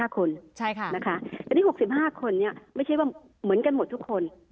๖๕คนนะคะแต่ที่๖๕คนไม่ใช่ว่าเหมือนกันหมดทุกคน